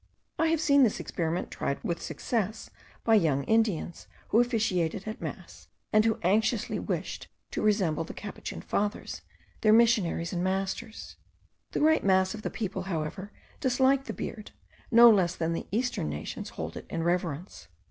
I have seen this experiment tried with success by young Indians, who officiated at mass, and who anxiously wished to resemble the Capuchin fathers, their missionaries and masters. The great mass of the people, however, dislike the beard, no less than the Eastern nations hold it in reverence.